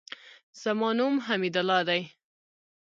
زما نوم حمیدالله دئ.